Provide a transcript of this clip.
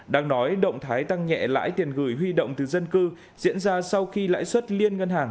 đang nói động thái tăng nhẹ lãi tiền gửi huy động từ dân cư diễn ra sau khi lãi suất liên ngân hàng